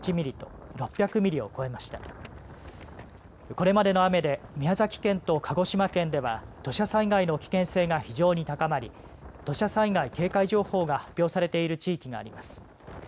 これまでの雨で宮崎県と鹿児島県では土砂災害の危険性が非常に高まり土砂災害警戒情報が発表されている地域があります。